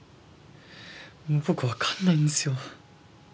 もう僕分かんないんですよ。